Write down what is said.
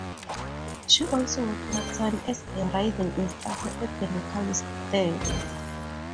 She also worked part-time as a riding instructor at a local stable.